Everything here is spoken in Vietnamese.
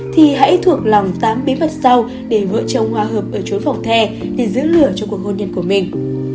thì hãy thuộc lòng tám bí mật sau để vợ chồng hòa hợp ở chối phòng the để giữ lửa cho cuộc hôn nhân của mình